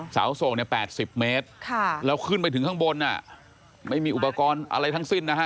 เสาส่งเนี่ย๘๐เมตรแล้วขึ้นไปถึงข้างบนไม่มีอุปกรณ์อะไรทั้งสิ้นนะฮะ